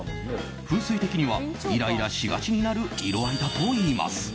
風水的にはイライラしがちになる色合いだといいます。